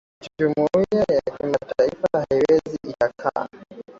jumuiya ya kimataifa haiwezi ikakaa